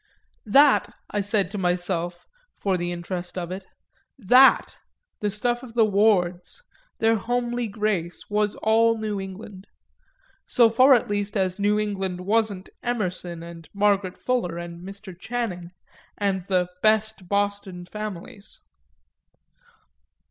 That, I said to myself for the interest of it, that, the stuff of the Wards, their homely grace, was all New England so far at least as New England wasn't Emerson and Margaret Fuller and Mr. Channing and the "best Boston" families.